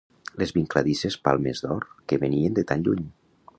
Les vincladisses palmes d'or que venien de tan lluny.